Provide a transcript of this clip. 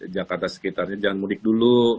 jakarta sekitarnya jangan mudik dulu